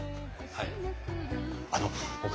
はい。